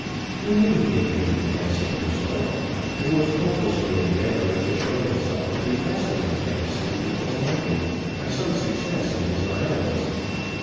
He knew he had made an ass of himself, and was hopelessly endeavouring to show himself to be less of an ass than people thought him, by some success in his violence.